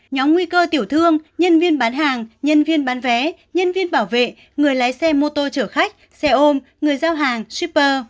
nhóm nguy cơ tiểu thương nhân viên bán hàng nhân viên bán vé nhân viên bảo vệ người lái xe mô tô chở khách xe ôm người giao hàng shipper